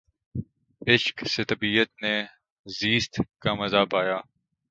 عشق سے طبیعت نے زیست کا مزا پایا